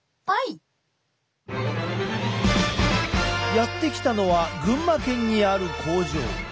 やって来たのは群馬県にある工場。